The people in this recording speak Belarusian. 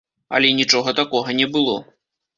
Але нічога такога не было.